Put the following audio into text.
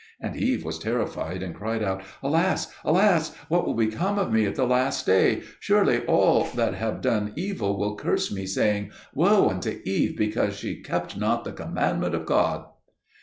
And Eve was terrified and cried out, "Alas! alas! what will become of me at the last day? Surely all that have done evil will curse me, saying, 'Woe unto Eve, because she kept not the commandment of God!'"